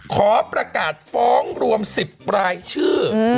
ขอประกาศฟ้องรวม๑๐รายชื่อ